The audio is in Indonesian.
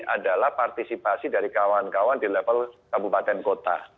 adalah partisipasi dari kawan kawan di level kabupaten kota